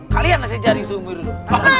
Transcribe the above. kalian masih jaring seumur dulu